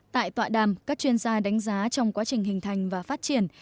tại tọa đàm các chuyên gia đánh giá trong quá trình hình thành và phát triển